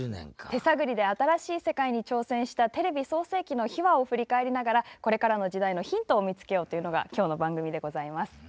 手探りで新しい世界に挑戦したテレビ創成期の秘話を振り返りながらこれからの時代のヒントを見つけようというのが今日の番組でございます。